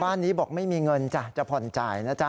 บ้านนี้บอกไม่มีเงินจ้ะจะผ่อนจ่ายนะจ๊ะ